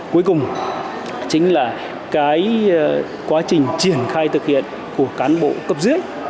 cuối cùng chính là cái quá trình triển khai thực hiện của cán bộ cập duyên